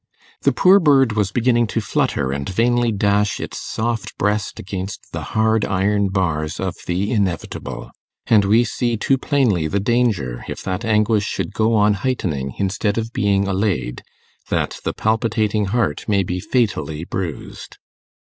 The poor bird was beginning to flutter and vainly dash its soft breast against the hard iron bars of the inevitable, and we see too plainly the danger, if that anguish should go on heightening instead of being allayed, that the palpitating heart may be fatally bruised.